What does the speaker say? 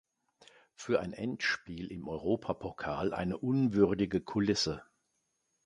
Für ein Endspiel im Europapokal eine unwürdige Kulisse.